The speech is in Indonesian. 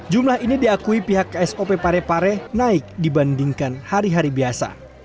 jumlah ini diakui pihak ksop parepare naik dibandingkan hari hari biasa